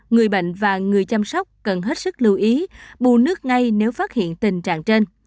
người bệnh và người chăm sóc cần hết sức lưu ý bù nước ngay nếu phát hiện tình trạng trên